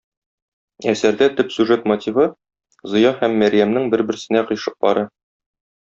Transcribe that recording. Әсәрдә төп сюжет мотивы - Зыя һәм Мәрьямнең бер-берсенә гыйшыклары.